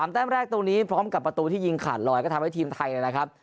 แต้มแรกตรงนี้พร้อมกับประตูที่ยิงขาดลอยก็ทำให้ทีมไทยนะครับ